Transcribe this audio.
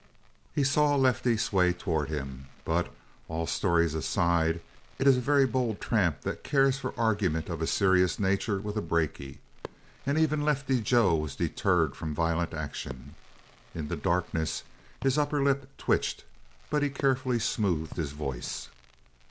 He saw Lefty sway toward him; but, all stories aside, it is a very bold tramp that cares for argument of a serious nature with a brakie. And even Lefty Joe was deterred from violent action. In the darkness his upper lip twitched, but he carefully smoothed his voice.